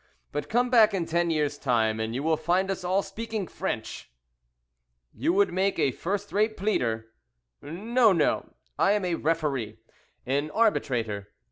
But come back in ten years' time, and you will find us all speaking French." "You would make a first rate pleader." "No, no I am a referee an arbitrator.